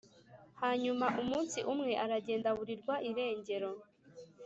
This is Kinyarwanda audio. Hanyuma umunsi umwe aragenda aburirwa irengero.